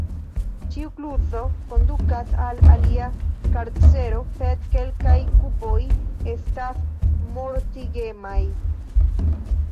Ĉiu kluzo kondukas al alia karcero, sed kelkaj kuboj estas mortigemaj.